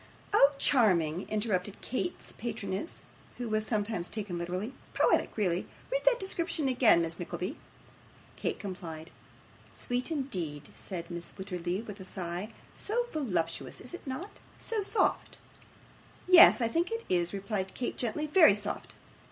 'Oh, charming!' interrupted Kate's patroness, who was sometimes taken literary. 'Poetic, really. Read that description again, Miss Nickleby.' Kate complied. 'Sweet, indeed!' said Mrs. Wititterly, with a sigh. 'So voluptuous, is it not so soft?' 'Yes, I think it is,' replied Kate, gently; 'very soft.